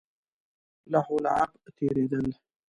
لهو لعب تېرېدل.